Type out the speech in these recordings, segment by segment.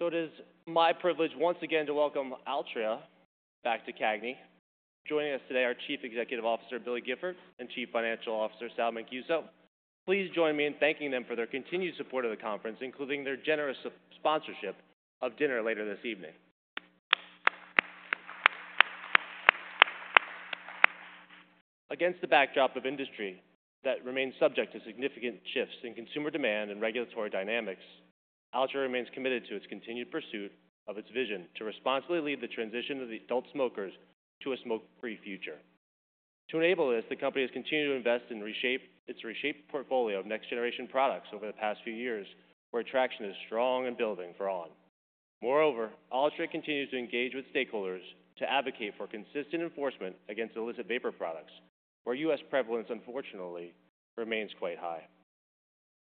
All right. So it is my privilege once again to welcome Altria back to CAGNI. Joining us today are Chief Executive Officer Billy Gifford and Chief Financial Officer Sal Mancuso. Please join me in thanking them for their continued support of the conference, including their generous sponsorship of dinner later this evening. Against the backdrop of industry that remains subject to significant shifts in consumer demand and regulatory dynamics, Altria remains committed to its continued pursuit of its vision to responsibly lead the transition of the adult smokers to a smoke-free future. To enable this, the company has continued to invest and reshape its reshaped portfolio of next-generation products over the past few years, where attraction is strong and building for on. Moreover, Altria continues to engage with stakeholders to advocate for consistent enforcement against illicit vapor products, where U.S. prevalence unfortunately remains quite high.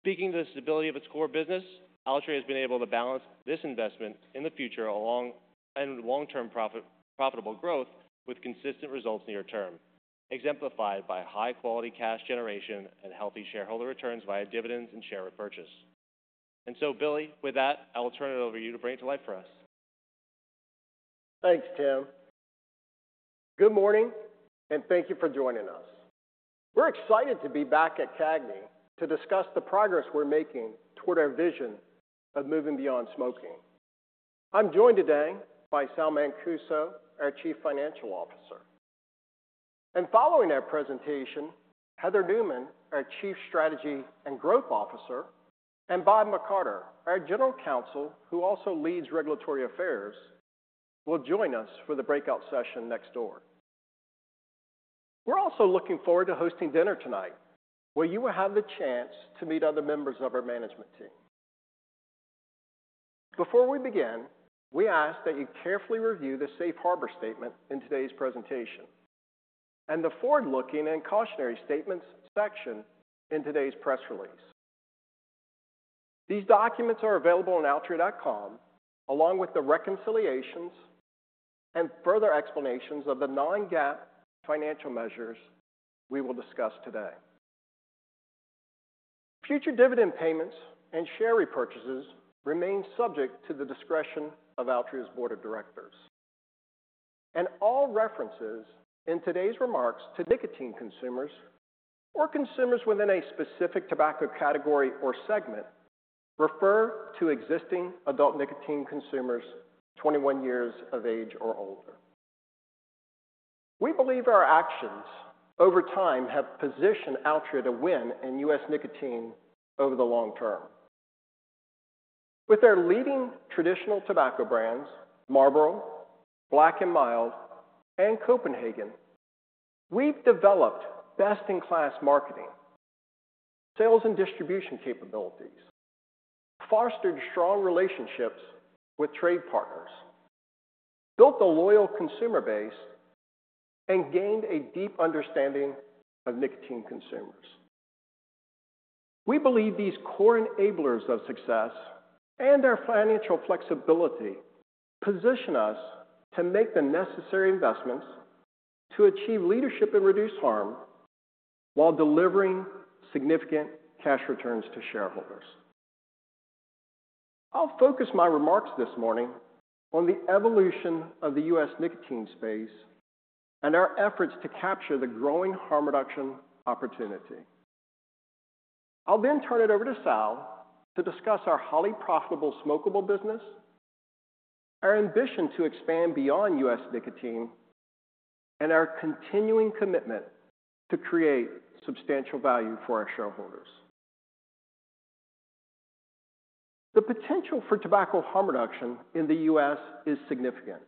Speaking to the stability of its core business, Altria has been able to balance this investment in the future along with long-term profitable growth with consistent results near term, exemplified by high-quality cash generation and healthy shareholder returns via dividends and share repurchase, and so, Billy, with that, I will turn it over to you to bring it to life for us. Thanks, Tim. Good morning, and thank you for joining us. We're excited to be back at CAGNI to discuss the progress we're making toward our vision of moving beyond smoking. I'm joined today by Sal Mancuso, our Chief Financial Officer, and following our presentation, Heather Newman, our Chief Strategy and Growth Officer, and Bob McCarter, our General Counsel, who also leads regulatory affairs, will join us for the breakout session next door. We're also looking forward to hosting dinner tonight, where you will have the chance to meet other members of our management team. Before we begin, we ask that you carefully review the safe harbor statement in today's presentation and the forward-looking and cautionary statements section in today's press release. These documents are available on altria.com, along with the reconciliations and further explanations of the non-GAAP financial measures we will discuss today. Future dividend payments and share repurchases remain subject to the discretion of Altria's Board of Directors. All references in today's remarks to nicotine consumers or consumers within a specific tobacco category or segment refer to existing adult nicotine consumers 21 years of age or older. We believe our actions over time have positioned Altria to win in U.S. nicotine over the long term. With our leading traditional tobacco brands, Marlboro, Black & Mild, and Copenhagen, we've developed best-in-class marketing, sales and distribution capabilities, fostered strong relationships with trade partners, built a loyal consumer base, and gained a deep understanding of nicotine consumers. We believe these core enablers of success and our financial flexibility position us to make the necessary investments to achieve leadership and reduce harm while delivering significant cash returns to shareholders. I'll focus my remarks this morning on the evolution of the U.S. Nicotine space and our efforts to capture the growing harm reduction opportunity. I'll then turn it over to Sal to discuss our highly profitable smokable business, our ambition to expand beyond U.S. nicotine, and our continuing commitment to create substantial value for our shareholders. The potential for tobacco harm reduction in the U.S. is significant,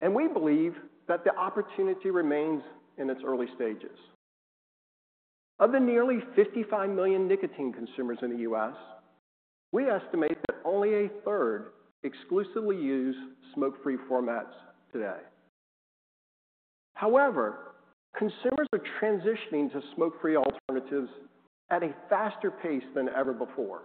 and we believe that the opportunity remains in its early stages. Of the nearly 55 million nicotine consumers in the U.S., we estimate that only a third exclusively use smoke-free formats today. However, consumers are transitioning to smoke-free alternatives at a faster pace than ever before,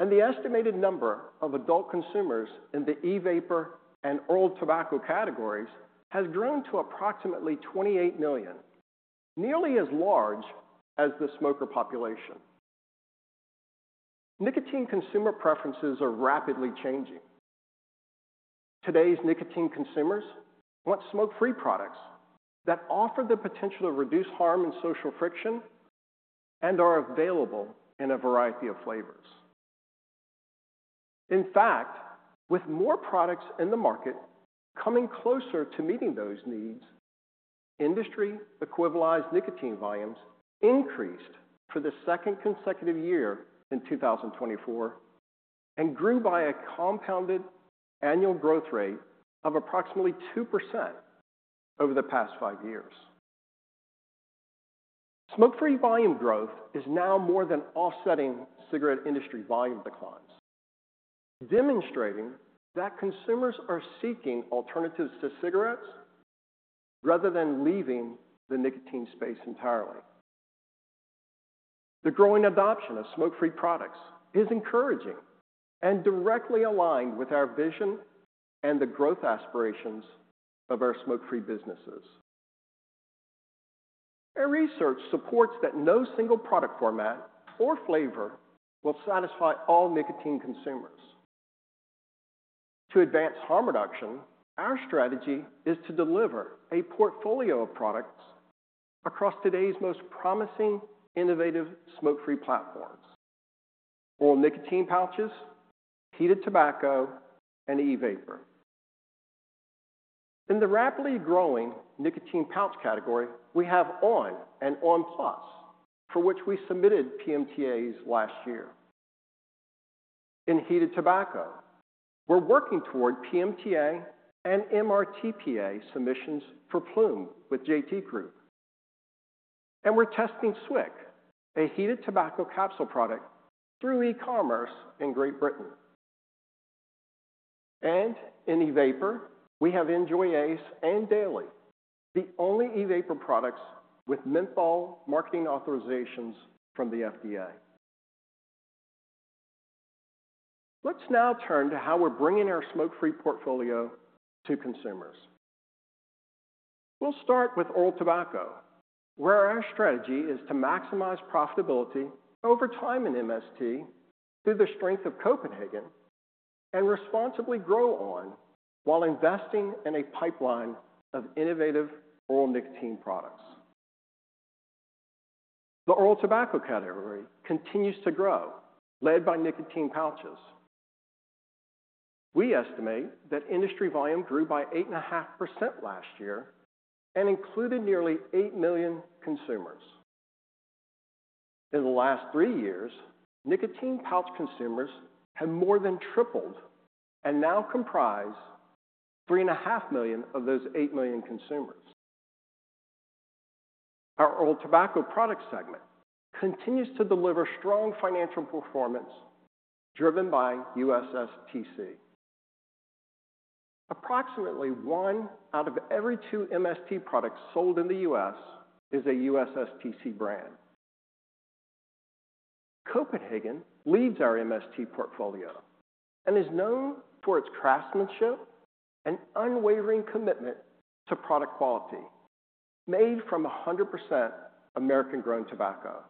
and the estimated number of adult consumers in the e-vapor and oral tobacco categories has grown to approximately 28 million, nearly as large as the smoker population. Nicotine consumer preferences are rapidly changing. Today's nicotine consumers want smoke-free products that offer the potential to reduce harm and social friction and are available in a variety of flavors. In fact, with more products in the market coming closer to meeting those needs, industry equivalized nicotine volumes increased for the second consecutive year in 2024 and grew by a compounded annual growth rate of approximately 2% over the past five years. Smoke-free volume growth is now more than offsetting cigarette industry volume declines, demonstrating that consumers are seeking alternatives to cigarettes rather than leaving the nicotine space entirely. The growing adoption of smoke-free products is encouraging and directly aligned with our vision and the growth aspirations of our smoke-free businesses. Our research supports that no single product format or flavor will satisfy all nicotine consumers. To advance harm reduction, our strategy is to deliver a portfolio of products across today's most promising, innovative smoke-free platforms: oral nicotine pouches, heated tobacco, and e-vapor. In the rapidly growing nicotine pouch category, we have on! and on! PLUS, for which we submitted PMTAs last year. In heated tobacco, we're working toward PMTA and MRTPA submissions for Ploom with JT Group, and we're testing SWIC, a heated tobacco capsule product, through e-commerce in Great Britain. And in e-vapor, we have NJOY ACE and DAILY, the only e-vapor products with menthol marketing authorizations from the FDA. Let's now turn to how we're bringing our smoke-free portfolio to consumers. We'll start with oral tobacco, where our strategy is to maximize profitability over time in MST through the strength of Copenhagen and responsibly grow on! while investing in a pipeline of innovative oral nicotine products. The oral tobacco category continues to grow, led by nicotine pouches. We estimate that industry volume grew by 8.5% last year and included nearly 8 million consumers. In the last three years, nicotine pouch consumers have more than tripled and now comprise 3.5 million of those 8 million consumers. Our oral tobacco product segment continues to deliver strong financial performance driven by USSTC. Approximately one out of every two MST products sold in the U.S. is a USSTC brand. Copenhagen leads our MST portfolio and is known for its craftsmanship and unwavering commitment to product quality made from 100% American-grown tobacco.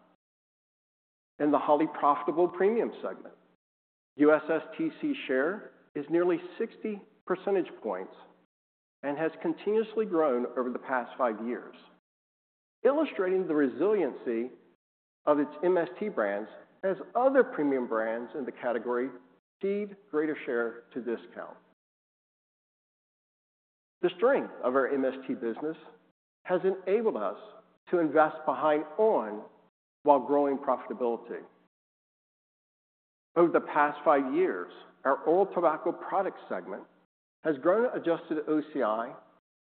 In the highly profitable premium segment, USSTC's share is nearly 60 percentage points and has continuously grown over the past five years, illustrating the resiliency of its MST brands as other premium brands in the category cede greater share to discount. The strength of our MST business has enabled us to invest behind on! while growing profitability. Over the past five years, our oral tobacco product segment has grown adjusted OCI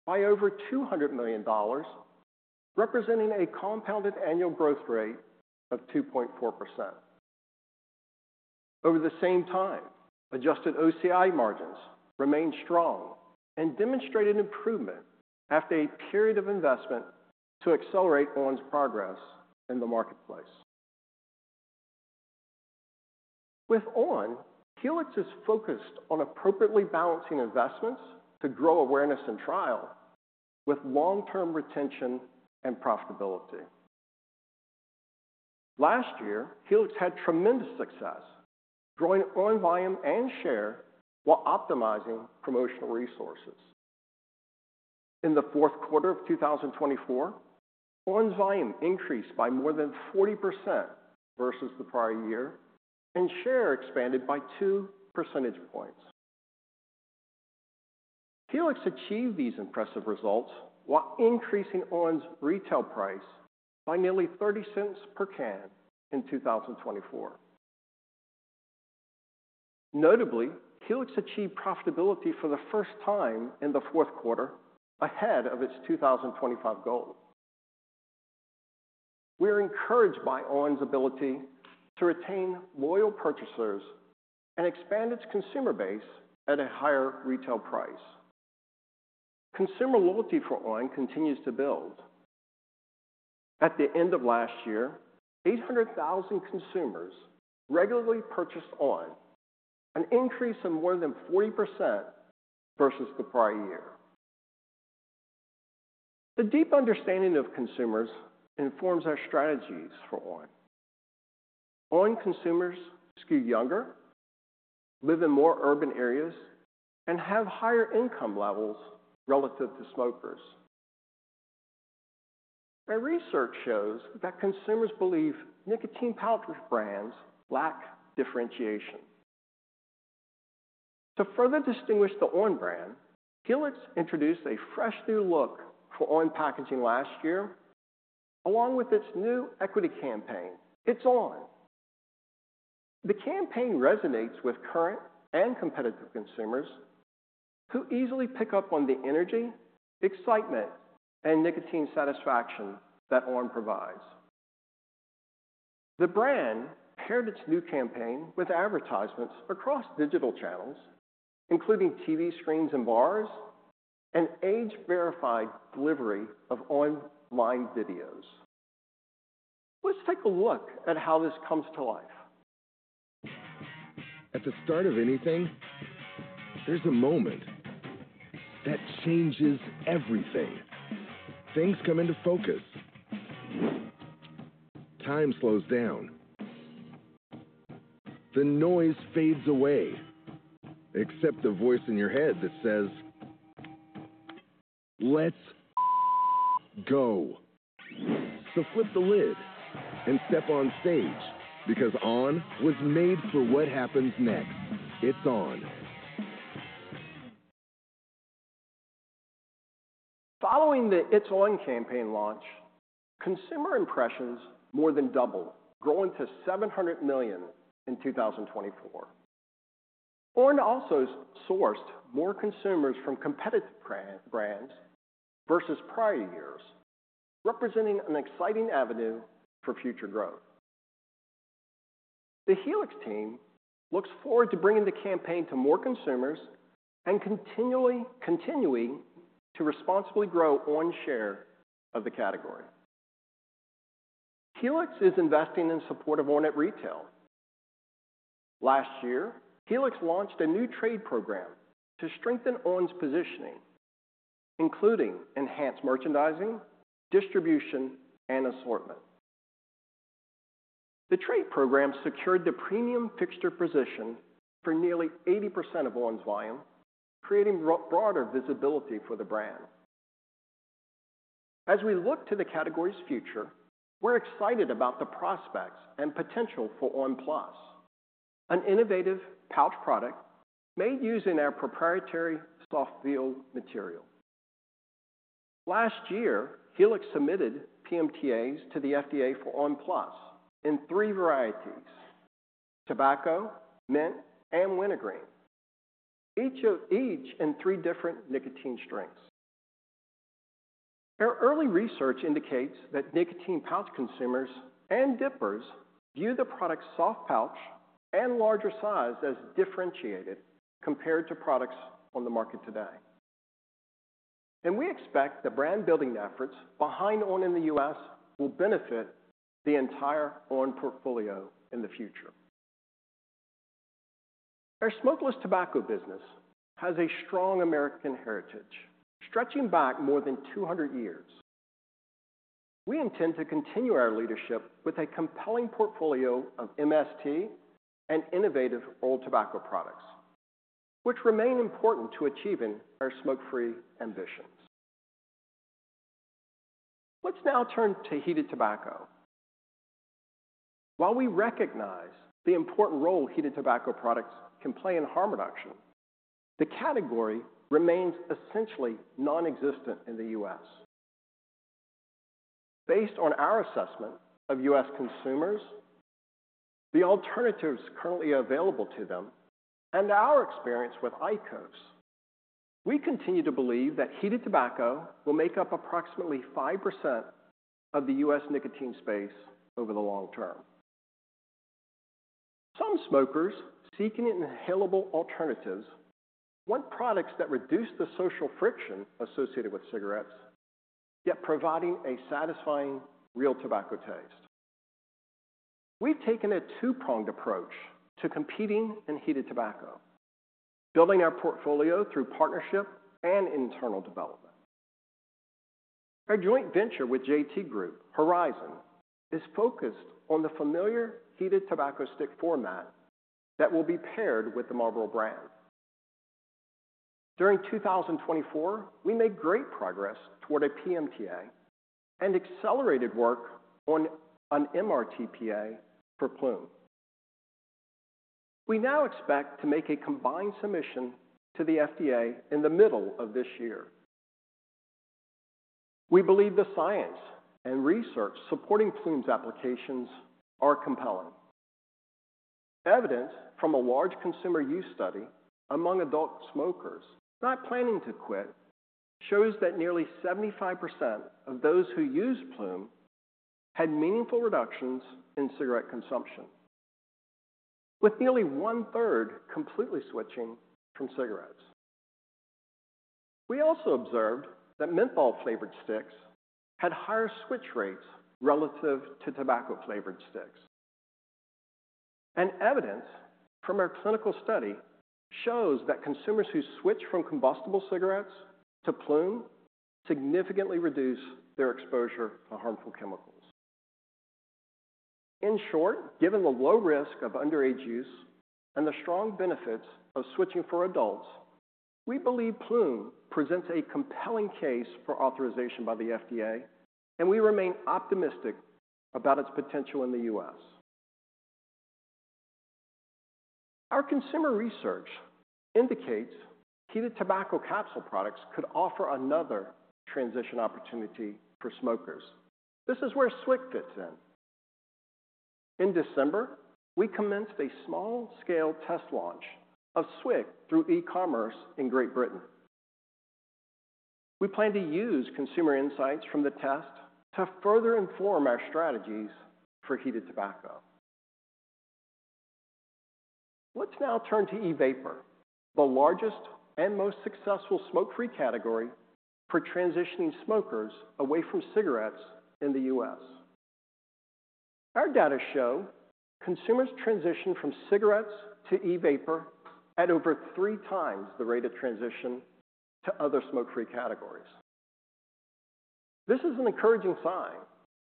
by over $200 million, representing a compounded annual growth rate of 2.4%. Over the same time, adjusted OCI margins remained strong and demonstrated improvement after a period of investment to accelerate on!'s progress in the marketplace. With on!, Helix is focused on appropriately balancing investments to grow awareness and trial with long-term retention and profitability. Last year, Helix had tremendous success, growing on! volume and share while optimizing promotional resources. In the fourth quarter of 2024, on!'s volume increased by more than 40% versus the prior year, and share expanded by 2 percentage points. Helix achieved these impressive results while increasing on!'s retail price by nearly $0.30 per can in 2024. Notably, Helix achieved profitability for the first time in the fourth quarter ahead of its 2025 goal. We are encouraged by on!'s ability to retain loyal purchasers and expand its consumer base at a higher retail price. Consumer loyalty for on! continues to build. At the end of last year, 800,000 consumers regularly purchased on!, an increase of more than 40% versus the prior year. The deep understanding of consumers informs our strategies for on!. on! consumers skew younger, live in more urban areas, and have higher income levels relative to smokers. Our research shows that consumers believe nicotine pouch brands lack differentiation. To further distinguish the on! brand, Helix introduced a fresh new look for on! packaging last year, along with its new equity campaign, It's on!. The campaign resonates with current and competitive consumers who easily pick up on the energy, excitement, and nicotine satisfaction that on! provides. The brand paired its new campaign with advertisements across digital channels, including TV screens and bars, and age-verified delivery of online videos. Let's take a look at how this comes to life. At the start of anything, there's a moment that changes everything. Things come into focus. Time slows down. The noise fades away, except the voice in your head that says, "Let's go." So flip the lid and step on stage, because on! was made for what happens next. It's on!. Following the It's on! campaign launch, consumer impressions more than doubled, growing to 700 million in 2024. on! also sourced more consumers from competitive brands versus prior years, representing an exciting avenue for future growth. The Helix team looks forward to bringing the campaign to more consumers and continuing to responsibly grow on!'s share of the category. Helix is investing in support of on! at retail. Last year, Helix launched a new trade program to strengthen on!'s positioning, including enhanced merchandising, distribution, and assortment. The trade program secured the premium fixture position for nearly 80% of on!'s volume, creating broader visibility for the brand. As we look to the category's future, we're excited about the prospects and potential for on! PLUS, an innovative pouch product made using our proprietary soft-feel material. Last year, Helix submitted PMTAs to the FDA for on! PLUS in three varieties: tobacco, mint, and wintergreen, each in three different nicotine strengths. Our early research indicates that nicotine pouch consumers and dippers view the product's soft pouch and larger size as differentiated compared to products on the market today, and we expect the brand-building efforts behind on! in the U.S. will benefit the entire on! portfolio in the future. Our smokeless tobacco business has a strong American heritage stretching back more than 200 years. We intend to continue our leadership with a compelling portfolio of MST and innovative oral tobacco products, which remain important to achieving our smoke-free ambitions. Let's now turn to heated tobacco. While we recognize the important role heated tobacco products can play in harm reduction, the category remains essentially nonexistent in the U.S. Based on our assessment of U.S. consumers, the alternatives currently available to them, and our experience with IQOS, we continue to believe that heated tobacco will make up approximately 5% of the U.S. nicotine space over the long term. Some smokers seeking inhalable alternatives want products that reduce the social friction associated with cigarettes, yet providing a satisfying real tobacco taste. We've taken a two-pronged approach to competing in heated tobacco, building our portfolio through partnership and internal development. Our joint venture with JT Group Horizon is focused on the familiar heated tobacco stick format that will be paired with the Marlboro brand. During 2024, we made great progress toward a PMTA and accelerated work on an MRTPA for Ploom. We now expect to make a combined submission to the FDA in the middle of this year. We believe the science and research supporting Ploom's applications are compelling. Evidence from a large consumer use study among adult smokers not planning to quit shows that nearly 75% of those who used Ploom had meaningful reductions in cigarette consumption, with nearly one-third completely switching from cigarettes. We also observed that menthol-flavored sticks had higher switch rates relative to tobacco-flavored sticks. And evidence from our clinical study shows that consumers who switch from combustible cigarettes to Ploom significantly reduce their exposure to harmful chemicals. In short, given the low risk of underage use and the strong benefits of switching for adults, we believe Ploom presents a compelling case for authorization by the FDA, and we remain optimistic about its potential in the U.S. Our consumer research indicates heated tobacco capsule products could offer another transition opportunity for smokers. This is where SWIC fits in. In December, we commenced a small-scale test launch of SWIC through e-commerce in Great Britain. We plan to use consumer insights from the test to further inform our strategies for heated tobacco. Let's now turn to e-vapor, the largest and most successful smoke-free category for transitioning smokers away from cigarettes in the U.S. Our data show consumers transition from cigarettes to e-vapor at over three times the rate of transition to other smoke-free categories. This is an encouraging sign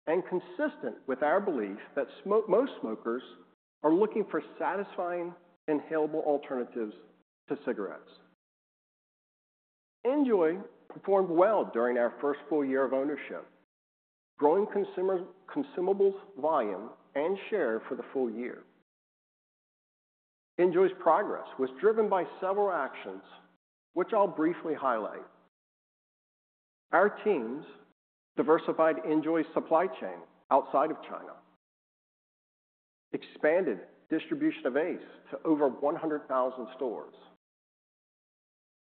and consistent with our belief that most smokers are looking for satisfying inhalable alternatives to cigarettes. NJOY performed well during our first full year of ownership, growing consumables volume and share for the full year. NJOY's progress was driven by several actions, which I'll briefly highlight. Our teams diversified NJOY's supply chain outside of China, expanded distribution of ACE to over 100,000 stores,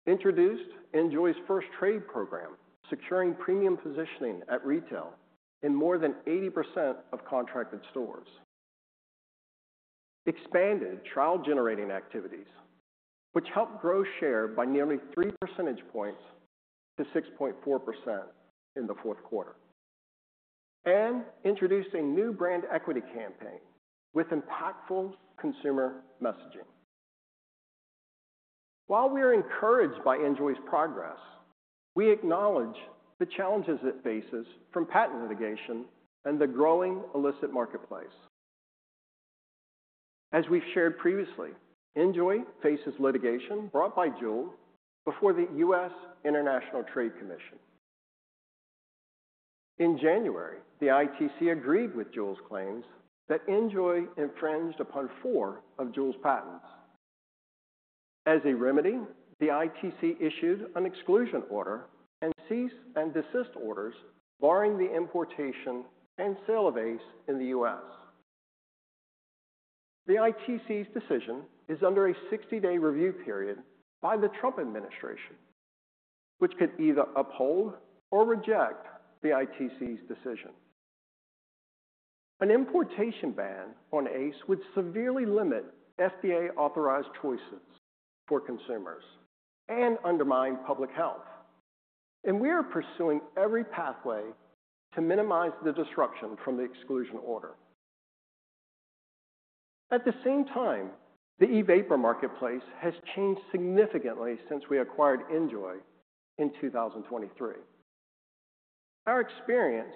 introduced NJOY's first trade program securing premium positioning at retail in more than 80% of contracted stores, expanded trial-generating activities, which helped grow share by nearly 3 percentage points to 6.4% in the fourth quarter, and introduced a new brand equity campaign with impactful consumer messaging. While we are encouraged by NJOY's progress, we acknowledge the challenges it faces from patent litigation and the growing illicit marketplace. As we've shared previously, NJOY faces litigation brought by JUUL before the U.S. International Trade Commission. In January, the ITC agreed with JUUL's claims that NJOY infringed upon four of JUUL's patents. As a remedy, the ITC issued an exclusion order and cease-and-desist orders barring the importation and sale of NJOY ACE in the U.S. The ITC's decision is under a 60-day review period by the Trump administration, which could either uphold or reject the ITC's decision. An importation ban on ACE would severely limit FDA-authorized choices for consumers and undermine public health, and we are pursuing every pathway to minimize the disruption from the exclusion order. At the same time, the e-vapor marketplace has changed significantly since we acquired NJOY in 2023. Our experience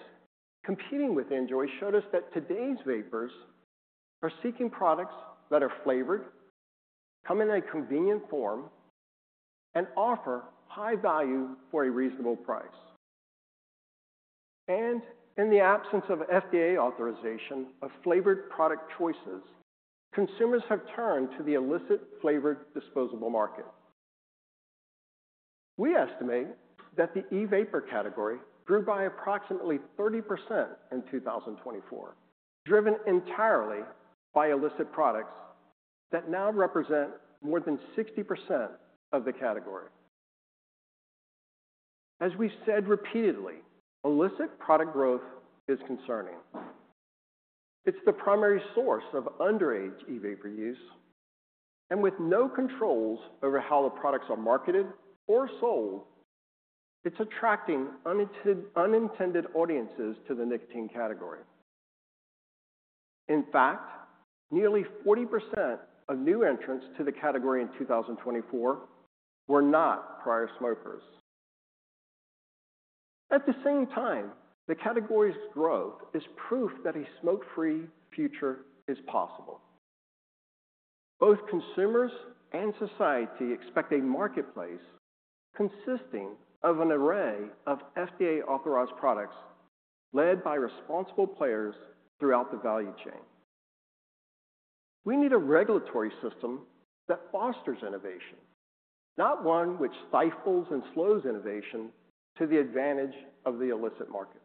competing with NJOY showed us that today's vapers are seeking products that are flavored, come in a convenient form, and offer high value for a reasonable price. In the absence of FDA authorization of flavored product choices, consumers have turned to the illicit flavored disposable market. We estimate that the e-vapor category grew by approximately 30% in 2024, driven entirely by illicit products that now represent more than 60% of the category. As we've said repeatedly, illicit product growth is concerning. It's the primary source of underage e-vapor use, and with no controls over how the products are marketed or sold, it's attracting unintended audiences to the nicotine category. In fact, nearly 40% of new entrants to the category in 2024 were not prior smokers. At the same time, the category's growth is proof that a smoke-free future is possible. Both consumers and society expect a marketplace consisting of an array of FDA-authorized products led by responsible players throughout the value chain. We need a regulatory system that fosters innovation, not one which stifles and slows innovation to the advantage of the illicit market.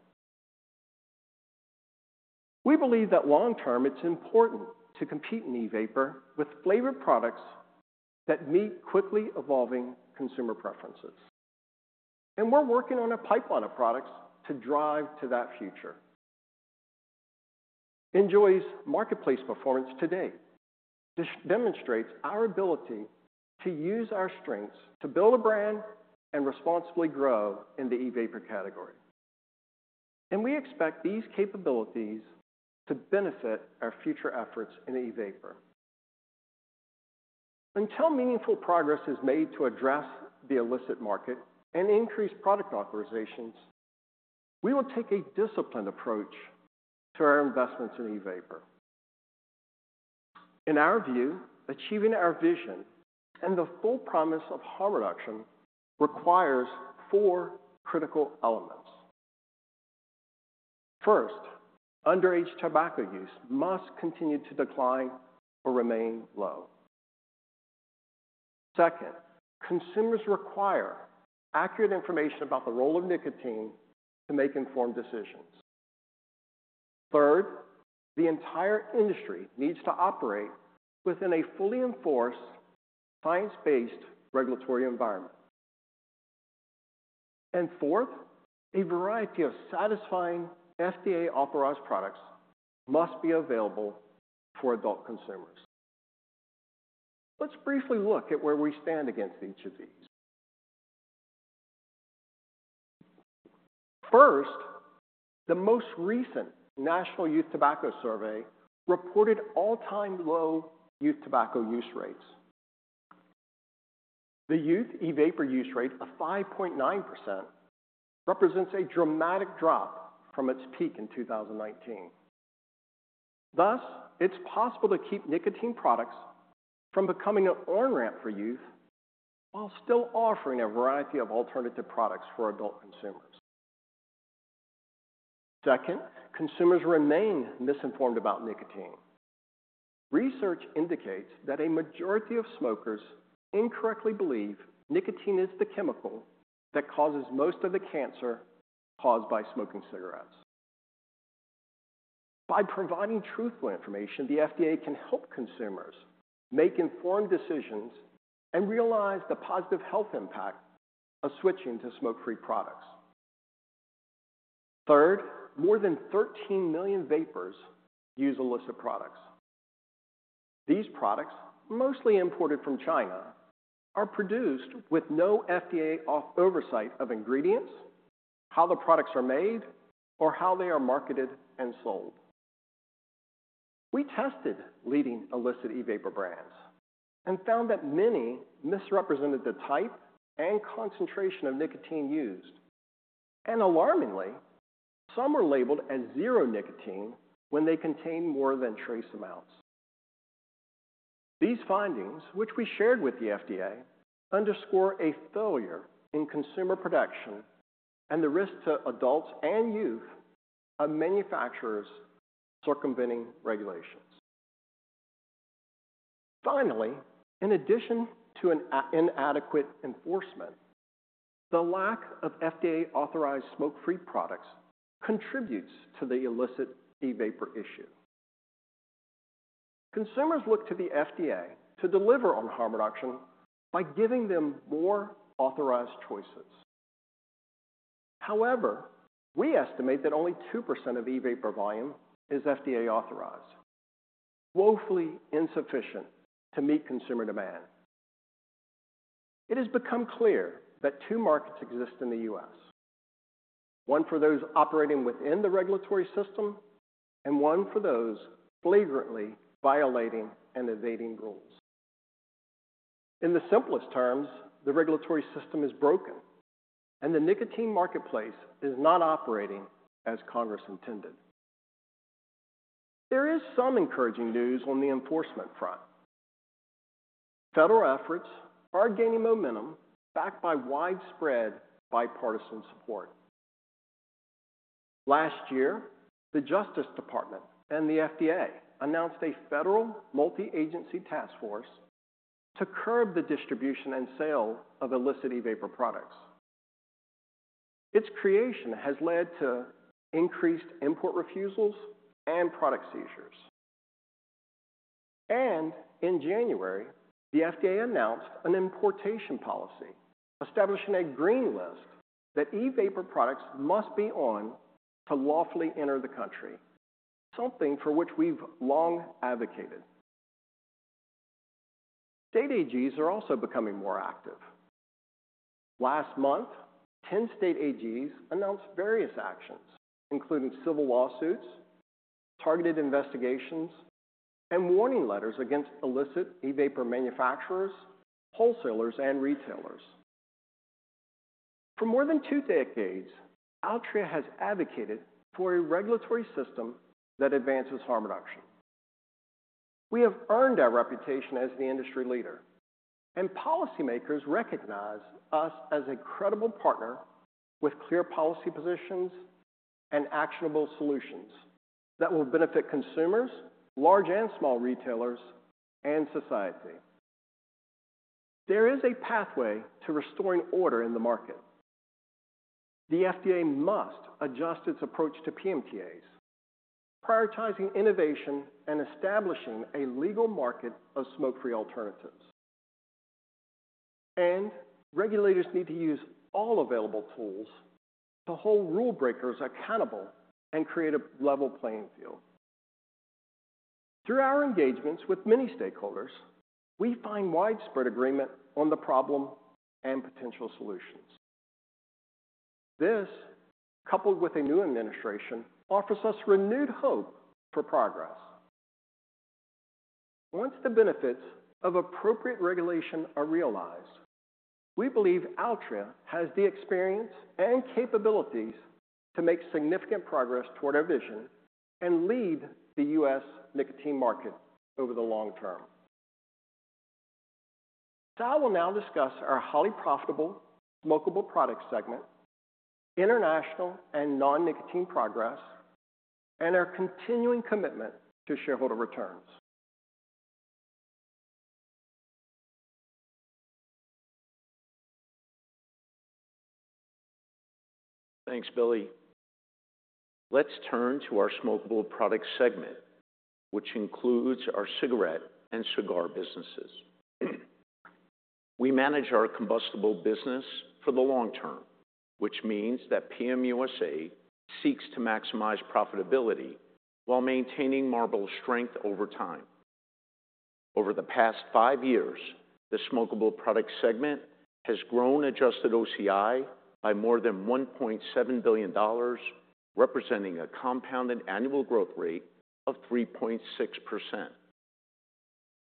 We believe that long term, it's important to compete in e-vapor with flavored products that meet quickly evolving consumer preferences. And we're working on a pipeline of products to drive to that future. NJOY's marketplace performance today demonstrates our ability to use our strengths to build a brand and responsibly grow in the e-vapor category. And we expect these capabilities to benefit our future efforts in e-vapor. Until meaningful progress is made to address the illicit market and increase product authorizations, we will take a disciplined approach to our investments in e-vapor. In our view, achieving our vision and the full promise of harm reduction requires four critical elements. First, underage tobacco use must continue to decline or remain low. Second, consumers require accurate information about the role of nicotine to make informed decisions. Third, the entire industry needs to operate within a fully enforced science-based regulatory environment. And fourth, a variety of satisfying FDA-authorized products must be available for adult consumers. Let's briefly look at where we stand against each of these. First, the most recent National Youth Tobacco Survey reported all-time low youth tobacco use rates. The youth e-vapor use rate of 5.9% represents a dramatic drop from its peak in 2019. Thus, it's possible to keep nicotine products from becoming an on-ramp for youth while still offering a variety of alternative products for adult consumers. Second, consumers remain misinformed about nicotine. Research indicates that a majority of smokers incorrectly believe nicotine is the chemical that causes most of the cancer caused by smoking cigarettes. By providing truthful information, the FDA can help consumers make informed decisions and realize the positive health impact of switching to smoke-free products. Third, more than 13 million vapers use illicit products. These products, mostly imported from China, are produced with no FDA oversight of ingredients, how the products are made, or how they are marketed and sold. We tested leading illicit e-vapor brands and found that many misrepresented the type and concentration of nicotine used. And alarmingly, some were labeled as zero nicotine when they contained more than trace amounts. These findings, which we shared with the FDA, underscore a failure in consumer protection and the risk to adults and youth of manufacturers' circumventing regulations. Finally, in addition to inadequate enforcement, the lack of FDA-authorized smoke-free products contributes to the illicit e-vapor issue. Consumers look to the FDA to deliver on harm reduction by giving them more authorized choices. However, we estimate that only 2% of e-vapor volume is FDA authorized, woefully insufficient to meet consumer demand. It has become clear that two markets exist in the U.S.: one for those operating within the regulatory system and one for those flagrantly violating and evading rules. In the simplest terms, the regulatory system is broken, and the nicotine marketplace is not operating as Congress intended. There is some encouraging news on the enforcement front. Federal efforts are gaining momentum backed by widespread bipartisan support. Last year, the Justice Department and the FDA announced a federal multi-agency task force to curb the distribution and sale of illicit e-vapor products. Its creation has led to increased import refusals and product seizures, and in January, the FDA announced an importation policy establishing a green list that e-vapor products must be on to lawfully enter the country, something for which we've long advocated. State AGs are also becoming more active. Last month, 10 state AGs announced various actions, including civil lawsuits, targeted investigations, and warning letters against illicit e-vapor manufacturers, wholesalers, and retailers. For more than two decades, Altria has advocated for a regulatory system that advances harm reduction. We have earned our reputation as the industry leader, and policymakers recognize us as a credible partner with clear policy positions and actionable solutions that will benefit consumers, large and small retailers, and society. There is a pathway to restoring order in the market. The FDA must adjust its approach to PMTAs, prioritizing innovation and establishing a legal market of smoke-free alternatives, and regulators need to use all available tools to hold rule breakers accountable and create a level playing field. Through our engagements with many stakeholders, we find widespread agreement on the problem and potential solutions. This, coupled with a new administration, offers us renewed hope for progress. Once the benefits of appropriate regulation are realized, we believe Altria has the experience and capabilities to make significant progress toward our vision and lead the U.S. nicotine market over the long term. So I will now discuss our highly profitable smokable product segment, international and non-nicotine progress, and our continuing commitment to shareholder returns. Thanks, Billy. Let's turn to our smokable product segment, which includes our cigarette and cigar businesses. We manage our combustible business for the long term, which means that PMUSA seeks to maximize profitability while maintaining Marlboro strength over time. Over the past five years, the smokable product segment has grown adjusted OCI by more than $1.7 billion, representing a compounded annual growth rate of 3.6%.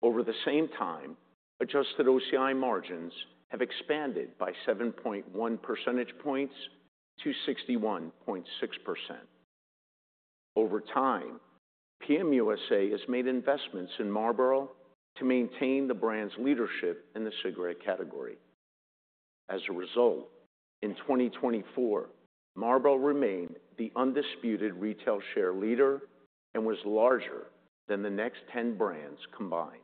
Over the same time, adjusted OCI margins have expanded by 7.1 percentage points to 61.6%. Over time, PMUSA has made investments in Marlboro to maintain the brand's leadership in the cigarette category. As a result, in 2024, Marlboro remained the undisputed retail share leader and was larger than the next 10 brands combined.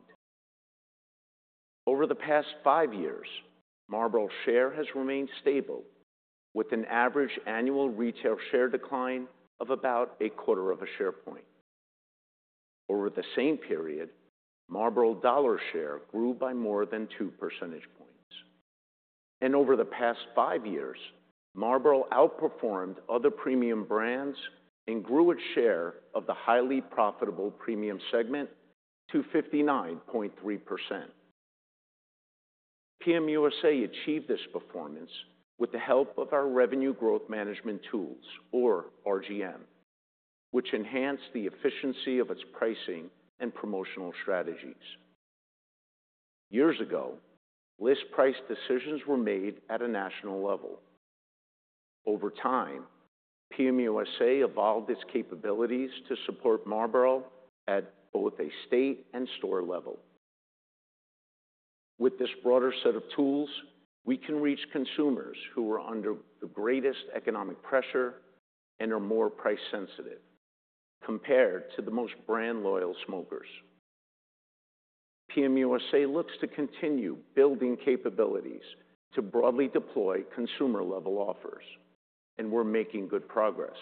Over the past five years, Marlboro's share has remained stable, with an average annual retail share decline of about a quarter of a share point. Over the same period, Marlboro's dollar share grew by more than 2 percentage points. Over the past five years, Marlboro outperformed other premium brands and grew its share of the highly profitable premium segment to 59.3%. PMUSA achieved this performance with the help of our revenue growth management tools, or RGM, which enhance the efficiency of its pricing and promotional strategies. Years ago, list price decisions were made at a national level. Over time, PMUSA evolved its capabilities to support Marlboro at both a state and store level. With this broader set of tools, we can reach consumers who are under the greatest economic pressure and are more price-sensitive compared to the most brand loyal smokers. PMUSA looks to continue building capabilities to broadly deploy consumer-level offers, and we're making good progress.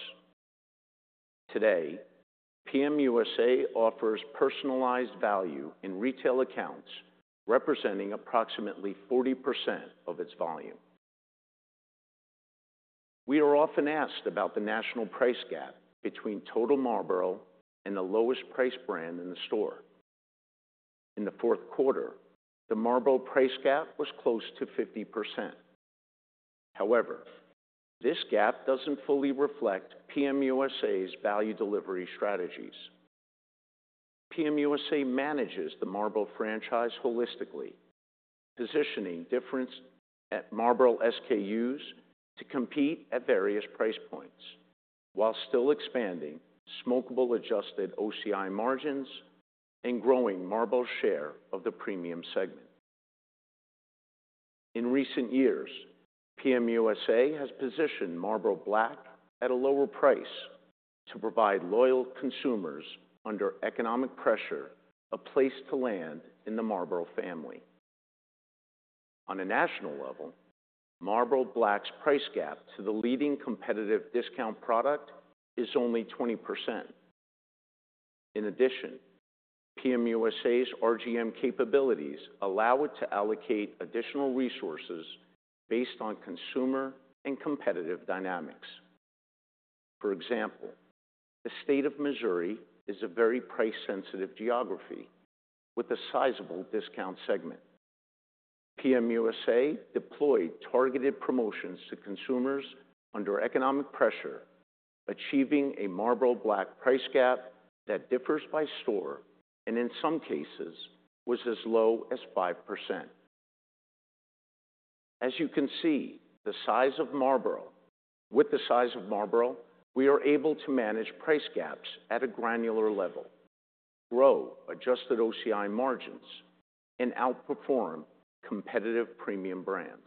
Today, PMUSA offers personalized value in retail accounts, representing approximately 40% of its volume. We are often asked about the national price gap between total Marlboro and the lowest price brand in the store. In the fourth quarter, the Marlboro price gap was close to 50%. However, this gap doesn't fully reflect PMUSA's value delivery strategies. PMUSA manages the Marlboro franchise holistically, positioning difference at Marlboro SKUs to compete at various price points while still expanding smokable adjusted OCI margins and growing Marlboro's share of the premium segment. In recent years, PMUSA has positioned Marlboro Black at a lower price to provide loyal consumers under economic pressure a place to land in the Marlboro family. On a national level, Marlboro Black's price gap to the leading competitive discount product is only 20%. In addition, PMUSA's RGM capabilities allow it to allocate additional resources based on consumer and competitive dynamics. For example, the state of Missouri is a very price-sensitive geography with a sizable discount segment. PMUSA deployed targeted promotions to consumers under economic pressure, achieving a Marlboro Black price gap that differs by store and in some cases was as low as 5%. As you can see with the size of Marlboro, we are able to manage price gaps at a granular level, grow adjusted OCI margins, and outperform competitive premium brands.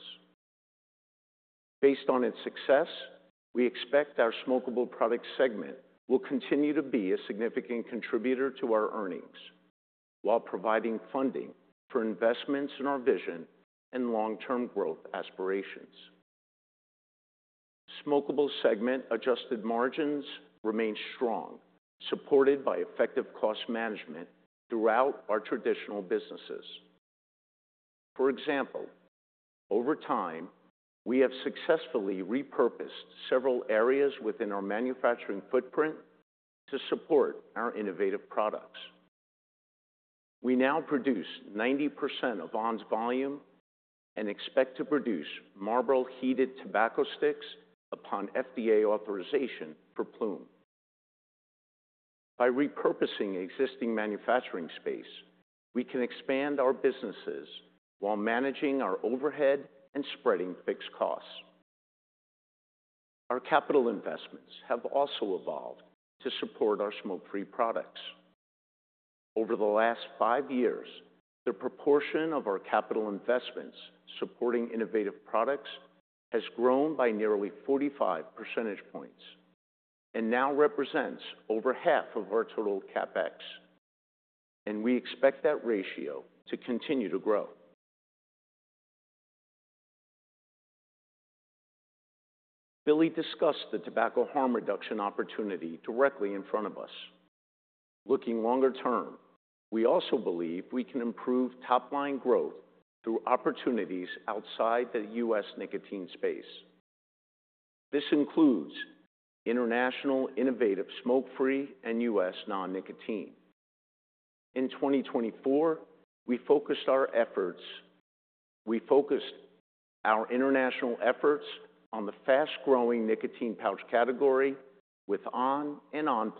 Based on its success, we expect our smokable product segment will continue to be a significant contributor to our earnings while providing funding for investments in our vision and long-term growth aspirations. Smokable segment adjusted margins remain strong, supported by effective cost management throughout our traditional businesses. For example, over time, we have successfully repurposed several areas within our manufacturing footprint to support our innovative products. We now produce 90% of on! volume and expect to produce Marlboro heated tobacco sticks upon FDA authorization for Ploom. By repurposing existing manufacturing space, we can expand our businesses while managing our overhead and spreading fixed costs. Our capital investments have also evolved to support our smoke-free products. Over the last five years, the proportion of our capital investments supporting innovative products has grown by nearly 45 percentage points and now represents over half of our total CapEx. We expect that ratio to continue to grow. Billy discussed the tobacco harm reduction opportunity directly in front of us. Looking longer term, we also believe we can improve top-line growth through opportunities outside the U.S. nicotine space. This includes international innovative smoke-free and U.S. non-nicotine. In 2024, we focused our efforts on the fast-growing nicotine pouch category with on! and on!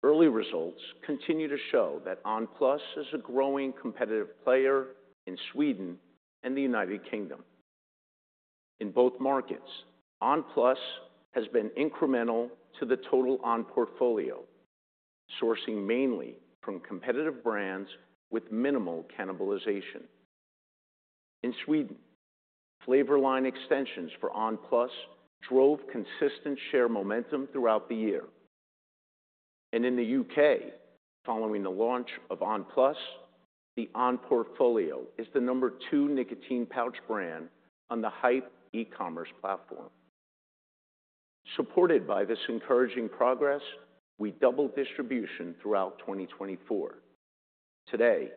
PLUS. Early results continue to show that on! PLUS is a growing competitive player in Sweden and the United Kingdom. In both markets, on! PLUS has been incremental to the total on! portfolio, sourcing mainly from competitive brands with minimal cannibalization. In Sweden, flavor line extensions for on! PLUS drove consistent share momentum throughout the year. In the U.K., following the launch of on! PLUS, the on! portfolio is the number two nicotine pouch brand on the Haypp e-commerce platform. Supported by this encouraging progress, we doubled distribution throughout 2024. Today,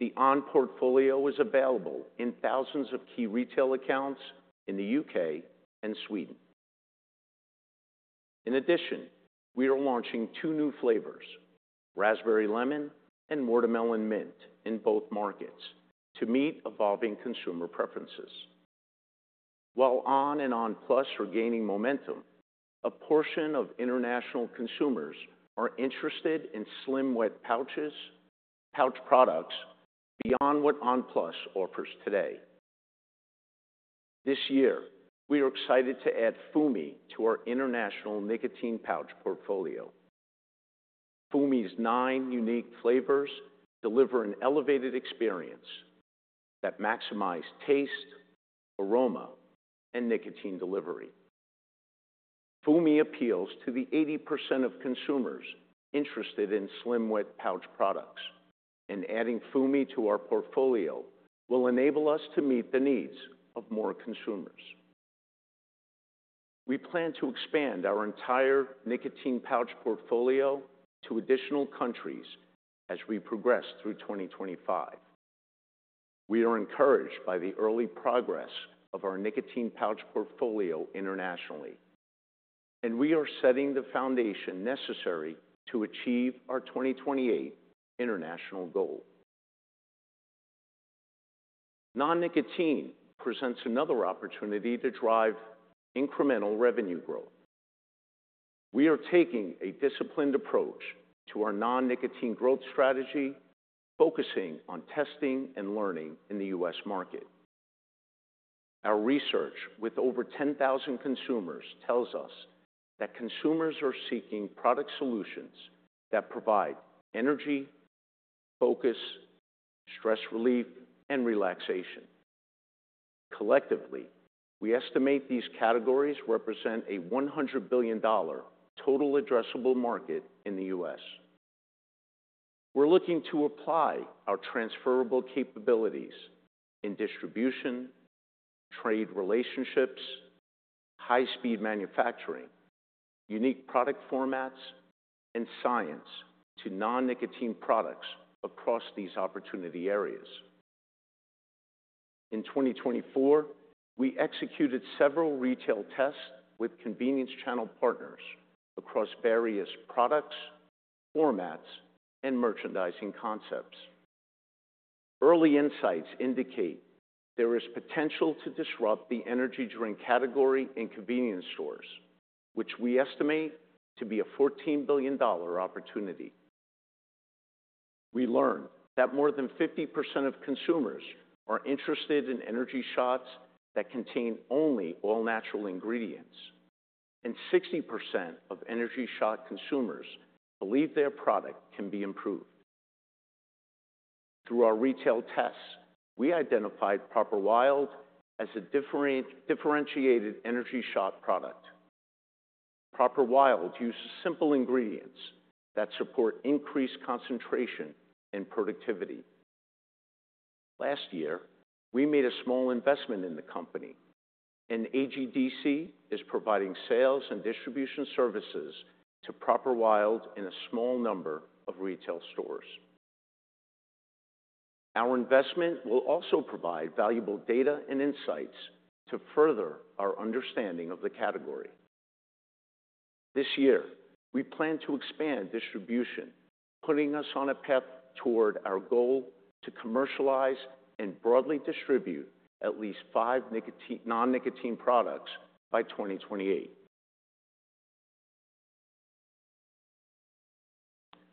the on! portfolio is available in thousands of key retail accounts in the UK and Sweden. In addition, we are launching two new flavors, Raspberry Lemon and Watermelon Mint, in both markets to meet evolving consumer preferences. While on! and on! PLUS are gaining momentum, a portion of international consumers are interested in slim-wet pouches products beyond what on! PLUS offers today. This year, we are excited to add Fumi to our international nicotine pouch portfolio. Fumi's nine unique flavors deliver an elevated experience that maximizes taste, aroma, and nicotine delivery. Fumi appeals to the 80% of consumers interested in slim-wet pouch products, and adding Fumi to our portfolio will enable us to meet the needs of more consumers. We plan to expand our entire nicotine pouch portfolio to additional countries as we progress through 2025. We are encouraged by the early progress of our nicotine pouch portfolio internationally, and we are setting the foundation necessary to achieve our 2028 international goal. Non-nicotine presents another opportunity to drive incremental revenue growth. We are taking a disciplined approach to our non-nicotine growth strategy, focusing on testing and learning in the U.S. market. Our research with over 10,000 consumers tells us that consumers are seeking product solutions that provide energy, focus, stress relief, and relaxation. Collectively, we estimate these categories represent a $100 billion total addressable market in the U.S. We're looking to apply our transferable capabilities in distribution, trade relationships, high-speed manufacturing, unique product formats, and science to non-nicotine products across these opportunity areas. In 2024, we executed several retail tests with convenience channel partners across various products, formats, and merchandising concepts. Early insights indicate there is potential to disrupt the energy drink category in convenience stores, which we estimate to be a $14 billion opportunity. We learned that more than 50% of consumers are interested in energy shots that contain only all-natural ingredients, and 60% of energy shot consumers believe their product can be improved. Through our retail tests, we identified Proper Wild as a differentiated energy shot product. Proper Wild uses simple ingredients that support increased concentration and productivity. Last year, we made a small investment in the company, and AGDC is providing sales and distribution services to Proper Wild in a small number of retail stores. Our investment will also provide valuable data and insights to further our understanding of the category. This year, we plan to expand distribution, putting us on a path toward our goal to commercialize and broadly distribute at least five non-nicotine products by 2028.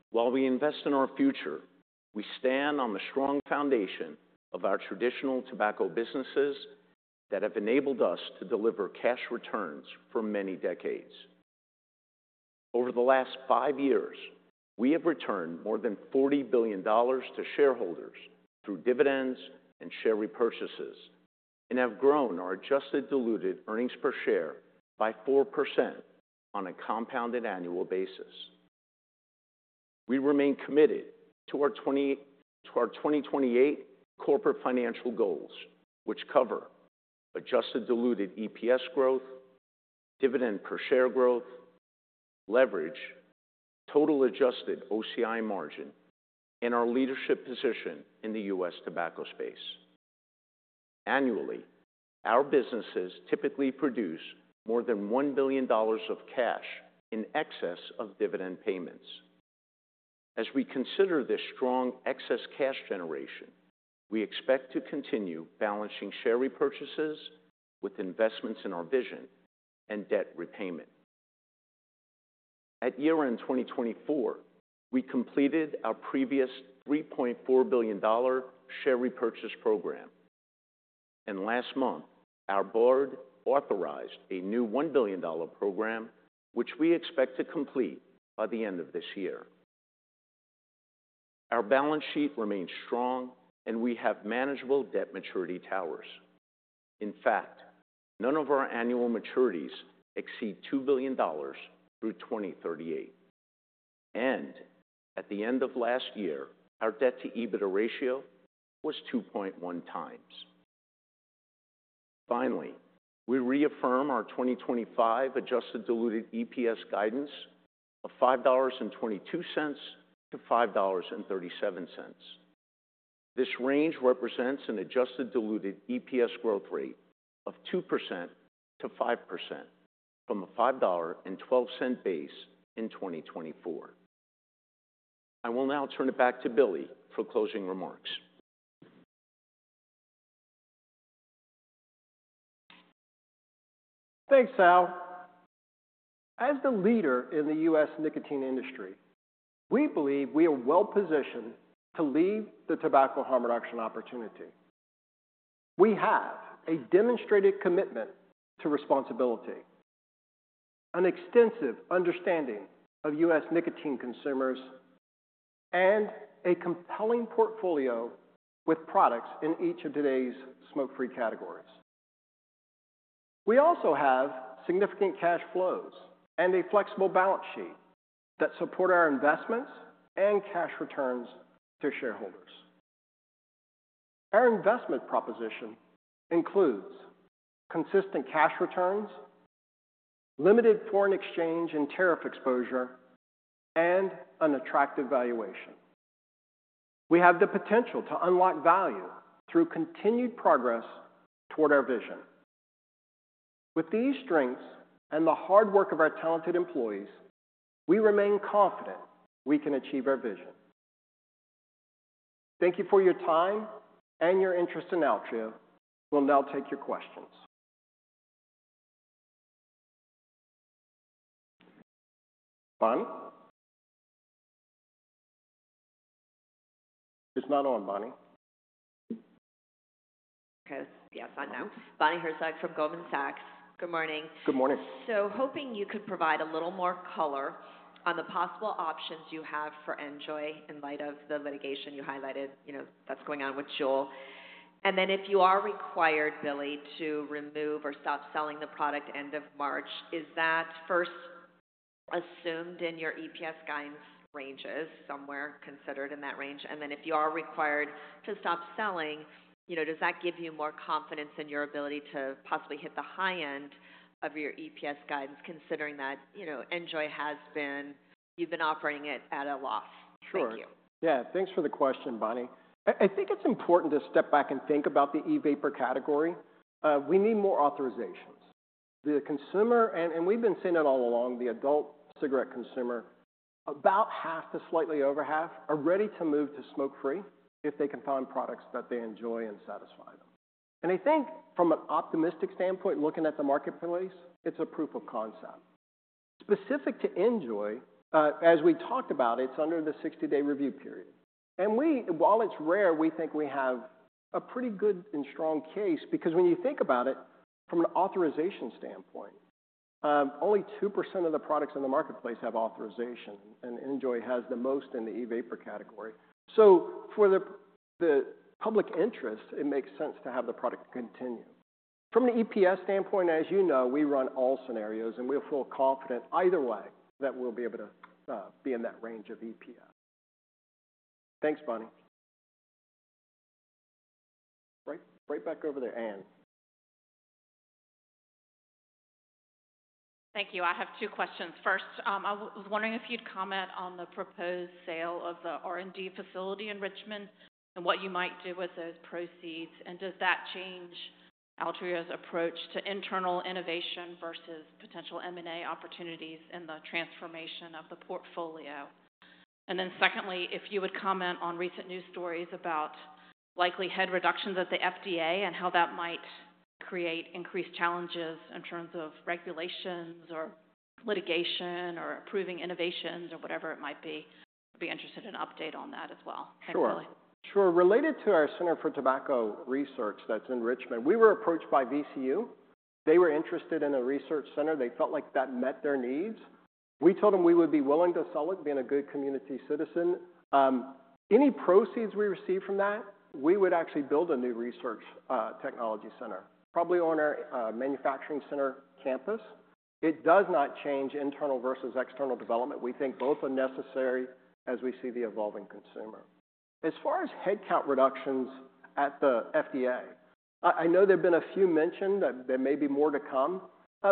While we invest in our future, we stand on the strong foundation of our traditional tobacco businesses that have enabled us to deliver cash returns for many decades. Over the last five years, we have returned more than $40 billion to shareholders through dividends and share repurchases and have grown our adjusted diluted earnings per share by 4% on a compounded annual basis. We remain committed to our 2028 corporate financial goals, which cover adjusted diluted EPS growth, dividend per share growth, leverage, total adjusted OCI margin, and our leadership position in the U.S. tobacco space. Annually, our businesses typically produce more than $1 billion of cash in excess of dividend payments. As we consider this strong excess cash generation, we expect to continue balancing share repurchases with investments in our vision and debt repayment. At year-end 2024, we completed our previous $3.4 billion share repurchase program, and last month, our board authorized a new $1 billion program, which we expect to complete by the end of this year. Our balance sheet remains strong, and we have manageable debt maturity towers. In fact, none of our annual maturities exceed $2 billion through 2038. And at the end of last year, our debt-to-EBITDA ratio was 2.1 times. Finally, we reaffirm our 2025 adjusted diluted EPS guidance of $5.22-$5.37. This range represents an adjusted diluted EPS growth rate of 2%-5% from a $5.12 base in 2024. I will now turn it back to Billy for closing remarks. Thanks, Sal. As the leader in the U.S. nicotine industry, we believe we are well-positioned to lead the tobacco harm reduction opportunity. We have a demonstrated commitment to responsibility, an extensive understanding of U.S. nicotine consumers, and a compelling portfolio with products in each of today's smoke-free categories. We also have significant cash flows and a flexible balance sheet that support our investments and cash returns to shareholders. Our investment proposition includes consistent cash returns, limited foreign exchange and tariff exposure, and an attractive valuation. We have the potential to unlock value through continued progress toward our vision. With these strengths and the hard work of our talented employees, we remain confident we can achieve our vision. Thank you for your time and your interest in Altria. We'll now take your questions. Bonnie? It's not on, Bonnie. Okay. Yes, I know. Bonnie Herzog from Goldman Sachs. Good morning. Good morning. So hoping you could provide a little more color on the possible options you have for NJOY in light of the litigation you highlighted, you know, that's going on with JUUL. And then if you are required, Billy, to remove or stop selling the product end of March, is that first assumed in your EPS guidance ranges somewhere considered in that range? And then if you are required to stop selling, you know, does that give you more confidence in your ability to possibly hit the high end of your EPS guidance considering that, you know, NJOY has been—you've been operating it at a loss? Thank you. Sure. Yeah. Thanks for the question, Bonnie. I think it's important to step back and think about the e-vapor category. We need more authorizations. The consumer, and we've been seeing it all along, the adult cigarette consumer, about half to slightly over half, are ready to move to smoke-free if they can find products that they NJOY and satisfy them. And I think from an optimistic standpoint, looking at the marketplace, it's a proof of concept. Specific to NJOY, as we talked about, it's under the 60-day review period, and we, while it's rare, we think we have a pretty good and strong case because when you think about it from an authorization standpoint, only 2% of the products in the marketplace have authorization, and NJOY has the most in the e-vapor category, so for the public interest, it makes sense to have the product continue. From an EPS standpoint, as you know, we run all scenarios, and we feel confident either way that we'll be able to be in that range of EPS. Thanks, Bonnie. Right back over there, Ann. Thank you. I have two questions. First, I was wondering if you'd comment on the proposed sale of the R&D facility in Richmond and what you might do with those proceeds. And does that change Altria's approach to internal innovation versus potential M&A opportunities in the transformation of the portfolio? And then secondly, if you would comment on recent news stories about likely head reductions at the FDA and how that might create increased challenges in terms of regulations or litigation or approving innovations or whatever it might be? I'd be interested in an update on that as well. Thanks, Billy. Sure. Sure. Related to our Center for Tobacco Research that's in Richmond, we were approached by VCU. They were interested in a research center. They felt like that met their needs. We told them we would be willing to sell it, being a good community citizen. Any proceeds we receive from that, we would actually build a new research technology center, probably on our manufacturing center campus. It does not change internal versus external development. We think both are necessary as we see the evolving consumer. As far as headcount reductions at the FDA, I know there have been a few mentioned that there may be more to come.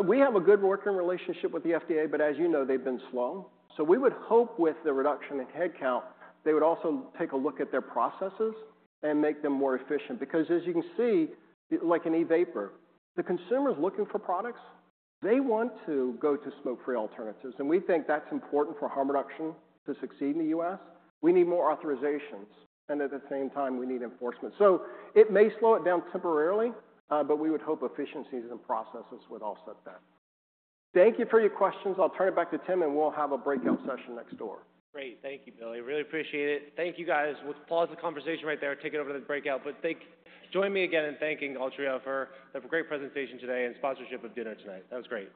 We have a good working relationship with the FDA, but as you know, they've been slow. So we would hope with the reduction in headcount, they would also take a look at their processes and make them more efficient because, as you can see, like an e-vapor, the consumer's looking for products. They want to go to smoke-free alternatives, and we think that's important for harm reduction to succeed in the U.S. We need more authorizations, and at the same time, we need enforcement. So it may slow it down temporarily, but we would hope efficiencies and processes would offset that. Thank you for your questions. I'll turn it back to Tim, and we'll have a breakout session next door. Great. Thank you, Billy. Really appreciate it. Thank you, guys. We'll pause the conversation right there, take it over to the breakout. But thank you. Join me again in thanking Altria for a great presentation today and sponsorship of dinner tonight. That was great.